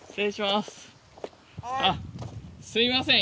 すみません。